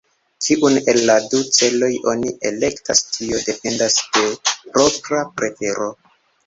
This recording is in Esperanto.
Kiun el la du celoj oni elektas, tio dependas de propra prefero.